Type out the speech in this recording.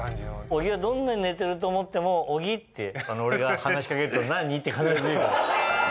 小木がどんなに寝てると思っても「小木」って俺が話し掛けると「何？」って必ず言うから。